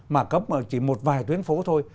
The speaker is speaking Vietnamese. mà cấm chỉ một vài tuyến phố thôi